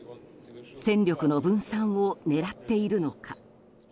戦力の分散を狙っているのか。